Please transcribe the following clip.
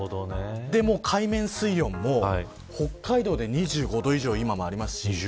海面水温も北海道で２５度以上今もありますし。